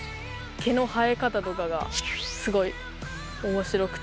毛の生え方とかがすごい面白くて。